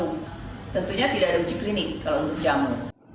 tentunya tidak ada uji klinik kalau untuk jamu